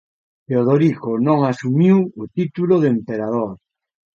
Teodorico non asumiu o título de emperador.